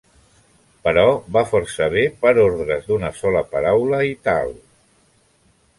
Però va força bé per ordres d'una sola paraula i tal.